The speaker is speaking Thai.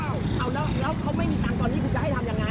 เอาแล้วเขาไม่มีตังค์ตอนนี้คุณจะให้ทำยังไง